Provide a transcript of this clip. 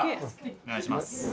お願いします。